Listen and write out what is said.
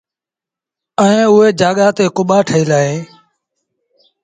ائيٚݩ اُئي جآڳآ تي ڪٻآ ٺهيٚل اهيݩ